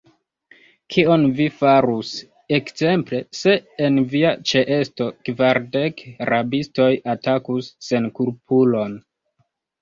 Kion vi farus, ekzemple, se en via ĉeesto kvardek rabistoj atakus senkulpulon?